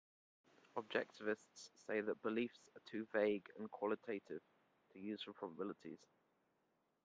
Objectivists say that beliefs are too vague and qualitative to use for probabilities.